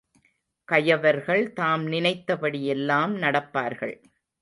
கயவர்கள் தாம் நினைத்தபடியெல்லாம் நடப்பார்கள்.